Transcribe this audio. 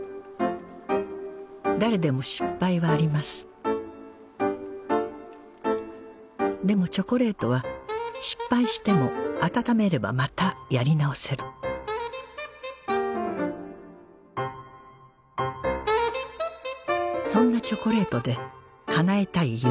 誰でも失敗はありますでもチョコレートは失敗しても温めればまたやり直せるそんなチョコレートでかなえたい